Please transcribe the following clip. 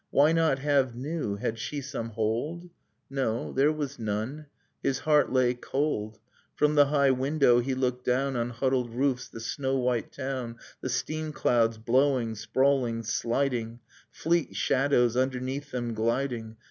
Why not have new? Had she some hold? No, there was none. His heart lay cold ... From the high window he looked down On huddled roofs, the snow white town, The steam clouds, blowing, sprawling, sliding, Fleet shadows underneath them gliding.